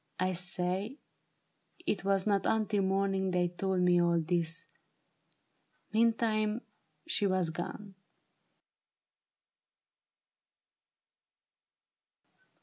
I say It was not until morning they told me all this. Meantime she was gone.